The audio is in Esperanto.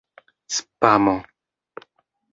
spamo